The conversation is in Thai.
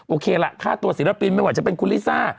โอเคล่ะค่าตัวศิลปินไม่ว่าจะเป็นคุณลิซ่า